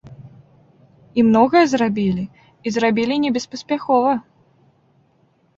І многае зрабілі, і зрабілі небеспаспяхова.